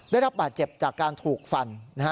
ได้รับบาดเจ็บจากการถูกฟัน